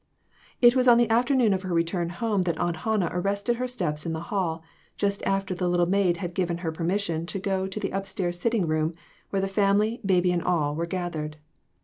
It was on the afternoon of her return home that Aunt Hannah arrested her steps in the hall, just after the little maid had given her permission to go to the up stairs sitting room, where the fam ily, baby and all, were gathered.